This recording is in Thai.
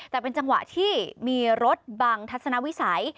แต่เป็นจังหวะที่มีรถบังทัศนวิสัย